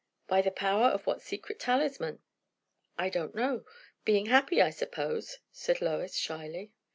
"By the power of what secret talisman?" "I don't know; being happy, I suppose," said Lois shyly.